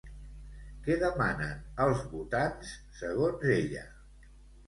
Què demanen els votants, segons ella?